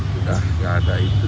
sudah tidak ada itu